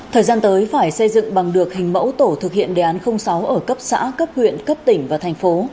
thời gian tới phải xây dựng bằng được hình mẫu tổ thực hiện đề án sáu ở cấp xã cấp huyện cấp tỉnh và thành phố